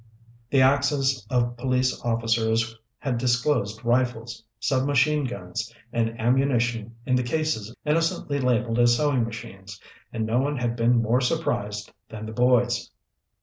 The axes of police officers had disclosed rifles, submachine guns, and ammunition in the cases innocently labeled as sewing machines, and no one had been more surprised than the boys.